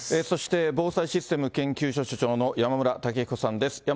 そして、防災システム研究所所長の山村武彦さんです。